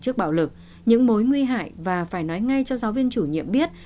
trước bạo lực những mối nguy hại và phải nói ngay cho giáo viên chủ nhiệm biết